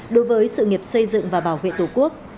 đối với sự nghiệp xây dựng và bảo vệ tổ quốc